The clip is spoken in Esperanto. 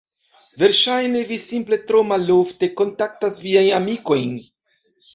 Verŝajne vi simple tro malofte kontaktas viajn amikojn.